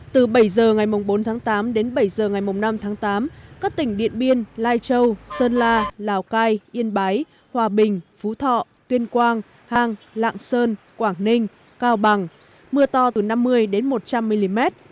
từ bảy h ngày bốn tháng tám đến bảy h ngày năm tháng tám các tỉnh điện biên lai châu sơn la lào cai yên bái hòa bình phú thọ tuyên quang hang lạng sơn quảng ninh cao bằng mưa to từ năm mươi đến một trăm linh mm